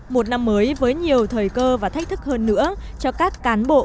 một năm mới với nhiều thời cơ và thách thức hơn nữa cho các cán bộ